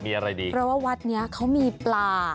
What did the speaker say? เพราะว่าวัดนี้เค้ามีปลา